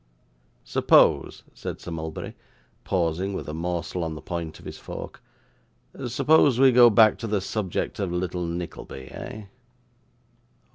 'Suppose,' said Sir Mulberry, pausing with a morsel on the point of his fork, 'suppose we go back to the subject of little Nickleby, eh?